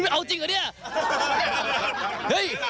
เอาจริงเหรอเนี่ย